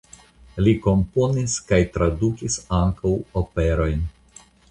Li komponis kaj tradukis ankaŭ operojn.